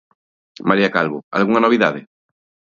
María Calvo, algunha novidade?